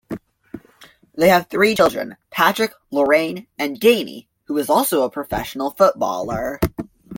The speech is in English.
They have three children, Patrick, Lorraine and Danny, who was also a professional footballer.